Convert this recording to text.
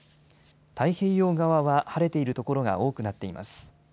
太平洋側は晴れている所が多くなっています。